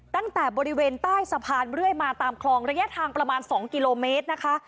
ตั้งแต่บริเวณใต้สะพานเรื่อยมาตามคลองระยะทางประมาณ๒กิโลเมตรนะคะ